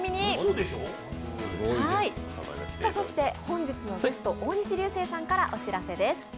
本日のゲスト、大西流星さんからお知らせです。